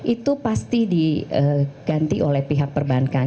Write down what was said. itu pasti diganti oleh pihak perbankan